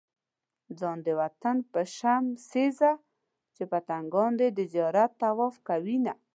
ځان د وطن په شمع سيزه چې پتنګان دې د زيارت طواف کوينه